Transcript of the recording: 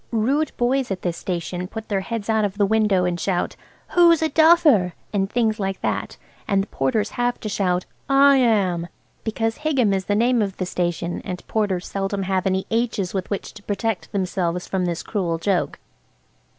Rude boys at this station put their heads out of the window and shout, "Who's a duffer?" and things like that, and the porters have to shout "I am!" because Higham is the name of the station, and porters seldom have any H's with which to protect themselves from this cruel joke.